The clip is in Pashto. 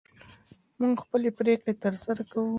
موږ خپلې پرېکړې تر سره کوو.